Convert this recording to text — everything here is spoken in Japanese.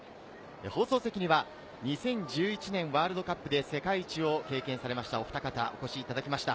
放送席には２０１１年ワールドカップで世界一を経験されたお二方をお越しいただきました。